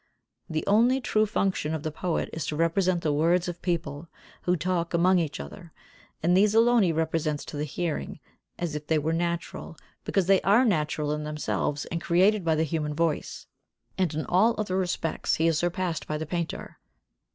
The only true function of the poet is to represent the words of people who talk among each other, and these alone he represents to the hearing as if they were natural, because they are natural in themselves and created by the human voice; and in all other respects he is surpassed by the painter.